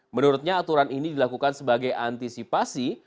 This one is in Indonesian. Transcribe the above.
menurutnya aturan ini dilakukan sebagai antisipasi